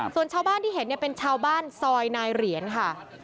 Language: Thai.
ส่วนชาวบ้านที่เห็นเป็นชาวบ้านซอยนายเหรียญค่ะ